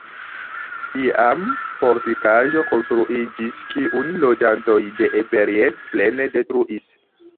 Iam fortikaĵo konstruiĝis, kiun loĝantoj de Eperjes plene detruis.